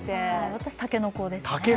私、たけのこです。